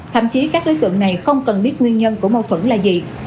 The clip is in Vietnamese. thậm chí các đối tượng này không cần biết nguyên nhân của mâu thuẫn là gì